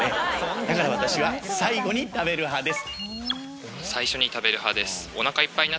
だから私は最後に食べる派です。